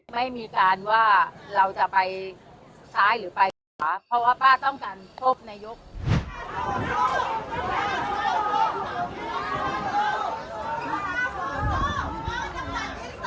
ไม่มีการว่าเราจะไปซ้ายหรือไปขวาเพราะว่าป้าต้องการพบนายก